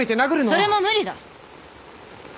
それも無理だ。